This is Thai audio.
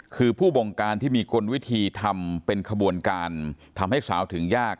คือผู้บงการที่มีกลวิธีทำเป็นขบวนการทำให้สาวถึงยาก